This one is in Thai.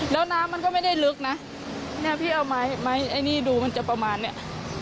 แล้วน้ำมันก็ไม่ได้ลึกนะเนี่ยพี่เอาไม้ไอ้นี่ดูมันจะประมาณเนี้ย